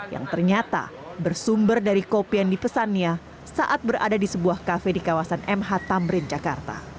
yang ternyata bersumber dari kopi yang dipesannya saat berada di sebuah kafe di kawasan mh tamrin jakarta